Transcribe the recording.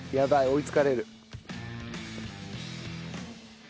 追い付かれる。